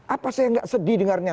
apa saya nggak sedih dengarnya